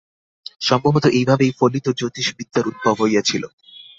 সম্ভবত এইভাবেই ফলিত জ্যোতিষ-বিদ্যার উদ্ভব হইয়াছিল।